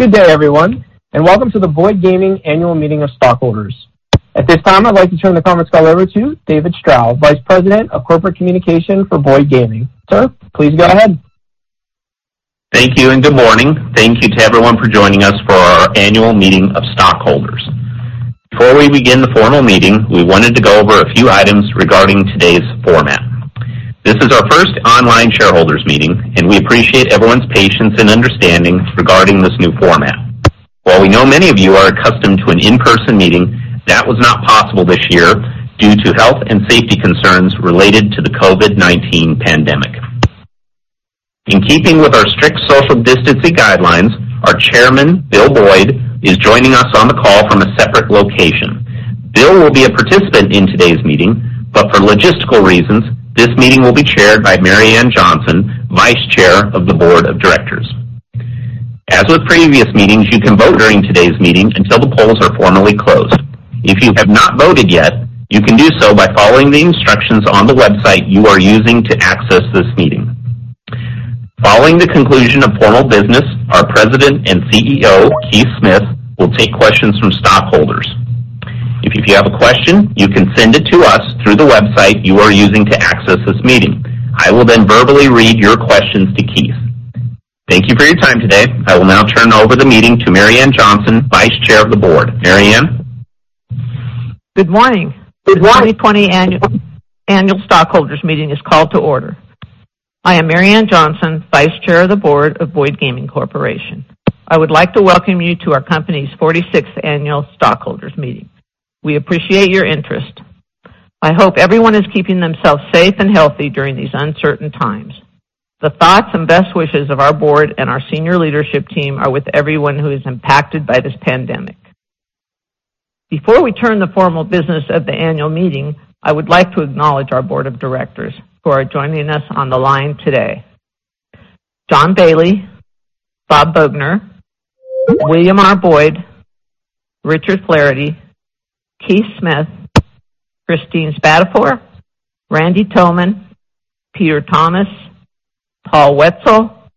Good day, everyone, and welcome to the Boyd Gaming Annual Meeting of Stockholders. At this time, I'd like to turn the conference call over to David Stroud, Vice President of Corporate Communication for Boyd Gaming. Sir, please go ahead. Thank you, and good morning. Thank you to everyone for joining us for our annual meeting of stockholders. Before we begin the formal meeting, we wanted to go over a few items regarding today's format. This is our first online shareholders meeting, and we appreciate everyone's patience and understanding regarding this new format. While we know many of you are accustomed to an in-person meeting, that was not possible this year due to health and safety concerns related to the COVID-19 pandemic. In keeping with our strict social distancing guidelines, our chairman, Bill Boyd, is joining us on the call from a separate location. Bill will be a participant in today's meeting, but for logistical reasons, this meeting will be chaired by Marianne Boyd Johnson, Vice Chair of the Board of Directors. As with previous meetings, you can vote during today's meeting until the polls are formally closed. If you have not voted yet, you can do so by following the instructions on the website you are using to access this meeting. Following the conclusion of formal business, our President and CEO, Keith Smith, will take questions from stockholders. If you have a question, you can send it to us through the website you are using to access this meeting. I will then verbally read your questions to Keith. Thank you for your time today. I will now turn over the meeting to Marianne Johnson, Vice Chair of the Board. Marianne? Good morning. The 2020 annual stockholders meeting is called to order. I am Marianne Boyd Johnson, Vice Chair of the Board of Boyd Gaming Corporation. I would like to welcome you to our company's 46th annual stockholders meeting. We appreciate your interest. I hope everyone is keeping themselves safe and healthy during these uncertain times. The thoughts and best wishes of our board and our senior leadership team are with everyone who is impacted by this pandemic. Before we turn the formal business of the annual meeting, I would like to acknowledge our board of directors who are joining us on the line today: John Bailey, Robert Boughner, William R. Boyd, Richard Flaherty, Keith Smith, Christine Spadafor, A. Randall Thoman, Peter Thomas, Paul Whetsell,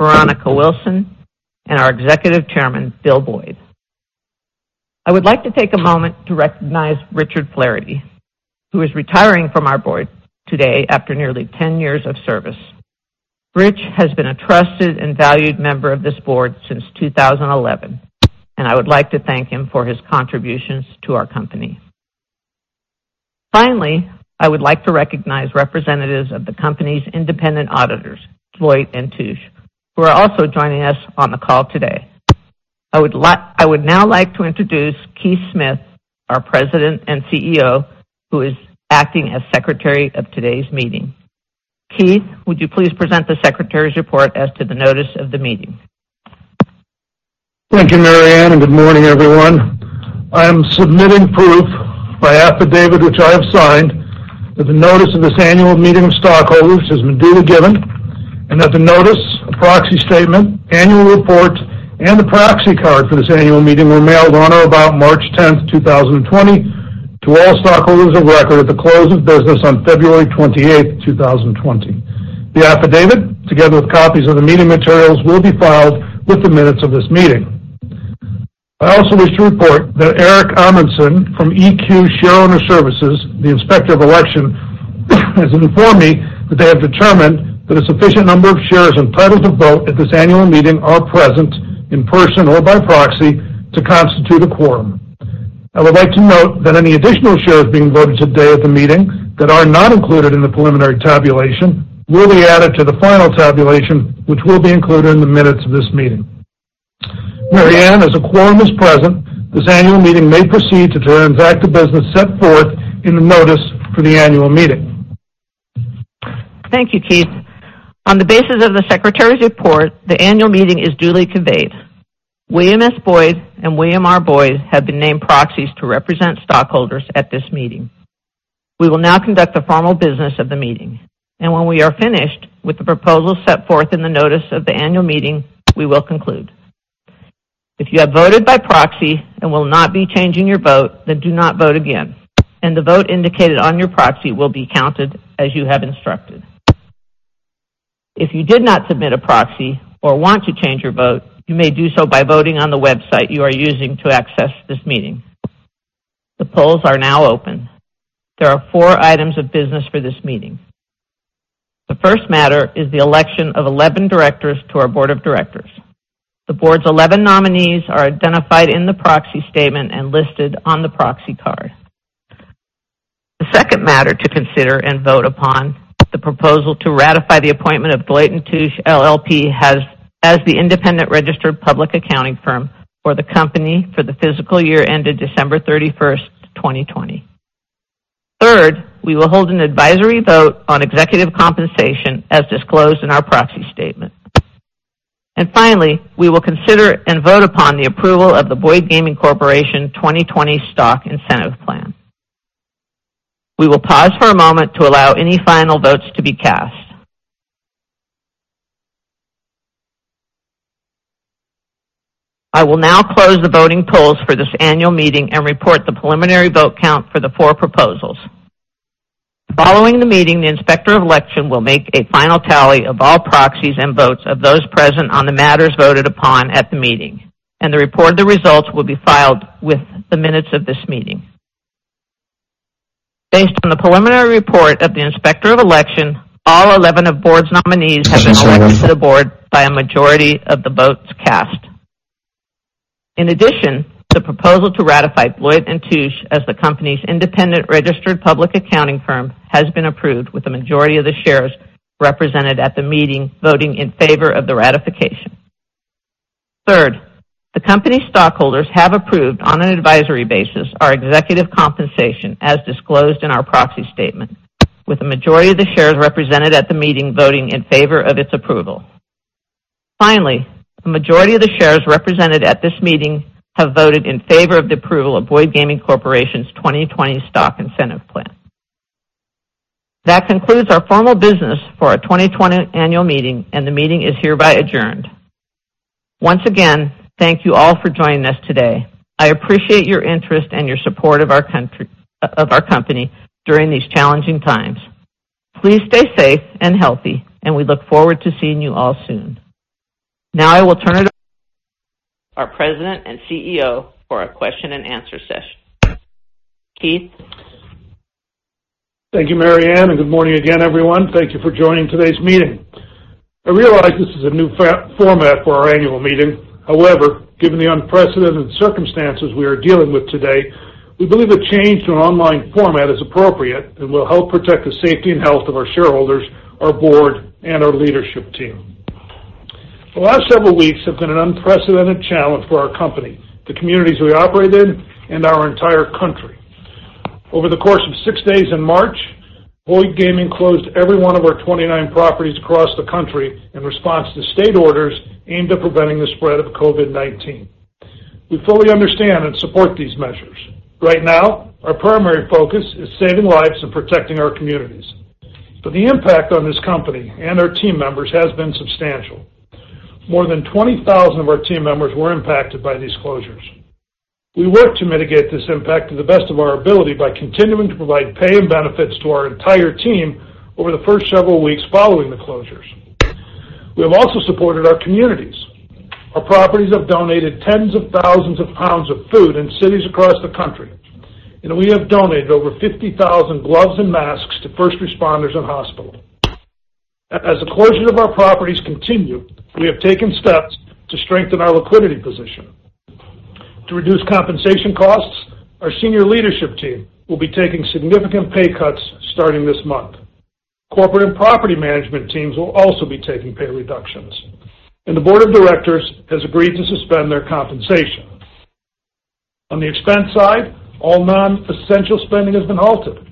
Veronica Wilson, and our Executive Chairman, Bill Boyd. I would like to take a moment to recognize Richard Flaherty, who is retiring from our board today after nearly ten years of service. Rich has been a trusted and valued member of this board since 2011, and I would like to thank him for his contributions to our company. Finally, I would like to recognize representatives of the company's independent auditors, Deloitte & Touche, who are also joining us on the call today. I would now like to introduce Keith Smith, our President and CEO, who is acting as secretary of today's meeting. Keith, would you please present the secretary's report as to the notice of the meeting? Thank you, Marianne, and good morning, everyone. I am submitting proof by affidavit, which I have signed, that the notice of this annual meeting of stockholders has been duly given, and that the notice, a proxy statement, annual report, and the proxy card for this annual meeting were mailed on or about March 10, 2020 to all stockholders of record at the close of business on February 28, 2020. The affidavit, together with copies of the meeting materials, will be filed with the minutes of this meeting. I also wish to report that Eric Amundson from EQ Shareowner Services, the Inspector of Election, has informed me that they have determined that a sufficient number of shares entitled to vote at this annual meeting are present, in person or by proxy, to constitute a quorum. I would like to note that any additional shares being voted today at the meeting that are not included in the preliminary tabulation will be added to the final tabulation, which will be included in the minutes of this meeting. Marianne, as a quorum is present, this annual meeting may proceed to transact the business set forth in the notice for the annual meeting. Thank you, Keith. On the basis of the Secretary's report, the annual meeting is duly convened. William S. Boyd and William R. Boyd have been named proxies to represent stockholders at this meeting. We will now conduct the formal business of the meeting, and when we are finished with the proposal set forth in the notice of the annual meeting, we will conclude. If you have voted by proxy and will not be changing your vote, then do not vote again, and the vote indicated on your proxy will be counted as you have instructed. If you did not submit a proxy or want to change your vote, you may do so by voting on the website you are using to access this meeting. The polls are now open. There are four items of business for this meeting. The first matter is the election of 11 directors to our board of directors. The board's 11 nominees are identified in the proxy statement and listed on the proxy card. The second matter to consider and vote upon the proposal to ratify the appointment of Deloitte & Touche LLP as the independent registered public accounting firm for the company for the fiscal year ended December 31, 2020. Third, we will hold an advisory vote on executive compensation as disclosed in our proxy statement. Finally, we will consider and vote upon the approval of the Boyd Gaming Corporation 2020 Stock Incentive Plan. We will pause for a moment to allow any final votes to be cast.... I will now close the voting polls for this annual meeting and report the preliminary vote count for the four proposals. Following the meeting, the Inspector of Election will make a final tally of all proxies and votes of those present on the matters voted upon at the meeting, and the report of the results will be filed with the minutes of this meeting. Based on the preliminary report of the Inspector of Election, all 11 of board's nominees have been elected to the board by a majority of the votes cast. In addition, the proposal to ratify Deloitte & Touche as the company's independent registered public accounting firm has been approved, with the majority of the shares represented at the meeting, voting in favor of the ratification. Third, the company's stockholders have approved, on an advisory basis, our executive compensation as disclosed in our proxy statement, with the majority of the shares represented at the meeting voting in favor of its approval. Finally, the majority of the shares represented at this meeting have voted in favor of the approval of Boyd Gaming Corporation's 2020 Stock Incentive Plan. That concludes our formal business for our 2020 annual meeting, and the meeting is hereby adjourned. Once again, thank you all for joining us today. I appreciate your interest and your support of our country - of our company during these challenging times. Please stay safe and healthy, and we look forward to seeing you all soon. Now, I will turn it over to our President and CEO, for our question and answer session. Keith? Thank you, Marianne, and good morning again, everyone. Thank you for joining today's meeting. I realize this is a new format for our annual meeting. However, given the unprecedented circumstances we are dealing with today, we believe a change to an online format is appropriate and will help protect the safety and health of our shareholders, our board, and our leadership team. The last several weeks have been an unprecedented challenge for our company, the communities we operate in, and our entire country. Over the course of six days in March, Boyd Gaming closed every one of our 29 properties across the country in response to state orders aimed at preventing the spread of COVID-19. We fully understand and support these measures. Right now, our primary focus is saving lives and protecting our communities, but the impact on this company and our team members has been substantial. More than 20,000 of our team members were impacted by these closures. We worked to mitigate this impact to the best of our ability by continuing to provide pay and benefits to our entire team over the first several weeks following the closures. We have also supported our communities. Our properties have donated tens of thousands of pounds of food in cities across the country, and we have donated over 50,000 gloves and masks to first responders and hospitals. As the closures of our properties continue, we have taken steps to strengthen our liquidity position. To reduce compensation costs, our senior leadership team will be taking significant pay cuts starting this month. Corporate and property management teams will also be taking pay reductions, and the board of directors has agreed to suspend their compensation. On the expense side, all non-essential spending has been halted,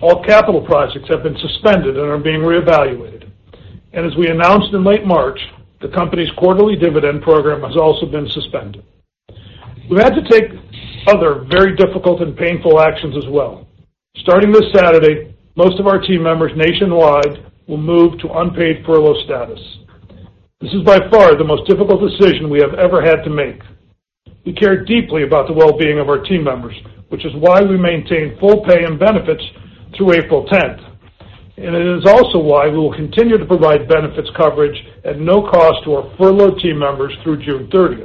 all capital projects have been suspended and are being reevaluated. As we announced in late March, the company's quarterly dividend program has also been suspended. We've had to take other very difficult and painful actions as well. Starting this Saturday, most of our team members nationwide will move to unpaid furlough status. This is by far the most difficult decision we have ever had to make. We care deeply about the well-being of our team members, which is why we maintain full pay and benefits through April 10. It is also why we will continue to provide benefits coverage at no cost to our furloughed team members through June 30.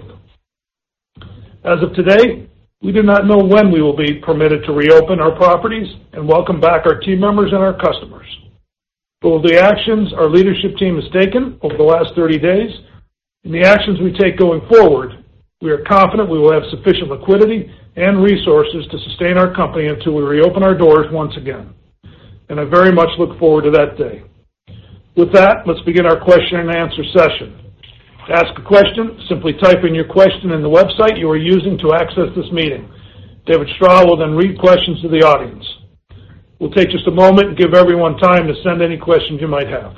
As of today, we do not know when we will be permitted to reopen our properties and welcome back our team members and our customers. Through the actions our leadership team has taken over the last 30 days, and the actions we take going forward, we are confident we will have sufficient liquidity and resources to sustain our company until we reopen our doors once again, and I very much look forward to that day. With that, let's begin our question and answer session. To ask a question, simply type in your question in the website you are using to access this meeting. David Strow will then read questions to the audience. We'll take just a moment and give everyone time to send any questions you might have. ...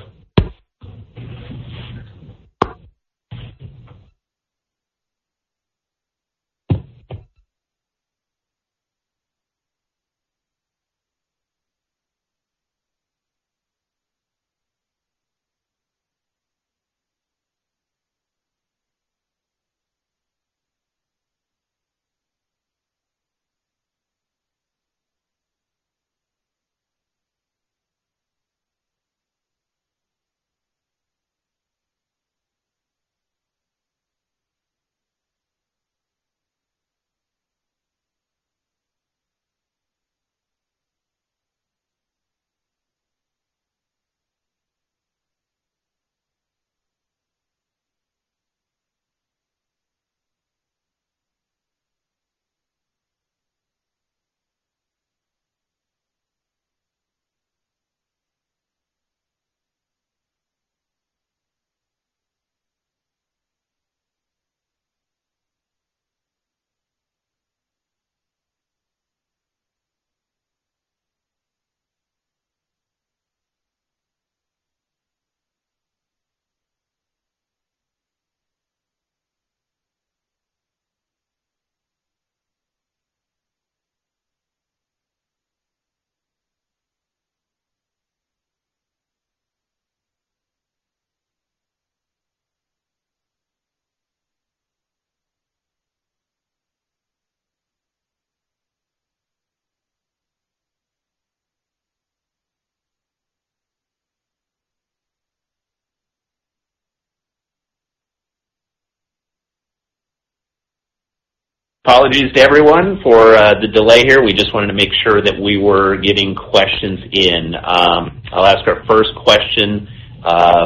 Apologies to everyone for the delay here. We just wanted to make sure that we were getting questions in. I'll ask our first question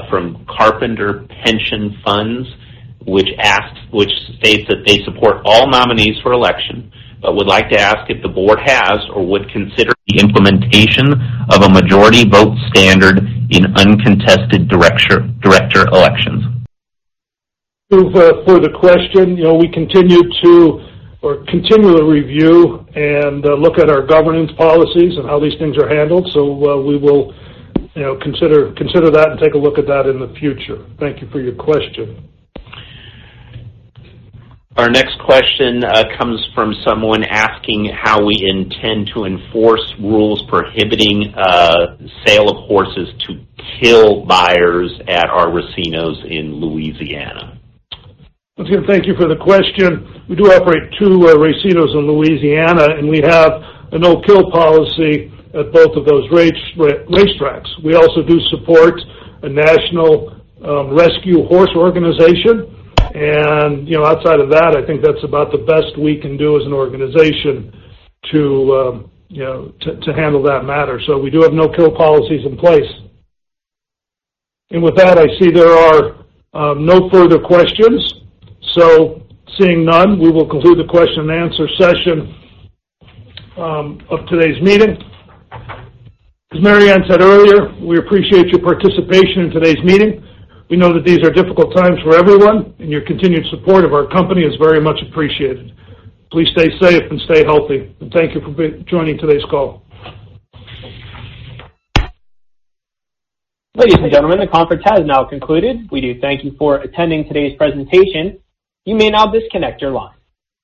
from Carpenters Pension Funds, which states that they support all nominees for election, but would like to ask if the board has or would consider the implementation of a majority vote standard in uncontested director elections. Thank you for the question. You know, we continue to or continually review and look at our governance policies and how these things are handled. So, we will, you know, consider that and take a look at that in the future. Thank you for your question. Our next question comes from someone asking how we intend to enforce rules prohibiting sale of horses to kill buyers at our racinos in Louisiana. Again, thank you for the question. We do operate two racinos in Louisiana, and we have a no-kill policy at both of those racetracks. We also do support a national rescue horse organization, and, you know, outside of that, I think that's about the best we can do as an organization to, you know, to handle that matter. So we do have no-kill policies in place. And with that, I see there are no further questions. So seeing none, we will conclude the question and answer session of today's meeting. As Marianne said earlier, we appreciate your participation in today's meeting. We know that these are difficult times for everyone, and your continued support of our company is very much appreciated. Please stay safe and stay healthy, and thank you for joining today's call. Ladies and gentlemen, the conference has now concluded. We do thank you for attending today's presentation. You may now disconnect your line.